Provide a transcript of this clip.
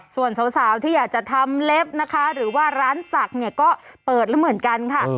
ส่วนสาวที่อยากจะทำเล็บนะคะหรือว่าร้านศักดิ์เนี่ยก็เปิดแล้วเหมือนกันค่ะ